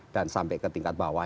dan sampai ke tingkat bawah